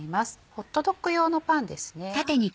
ホットドッグ用のパンです。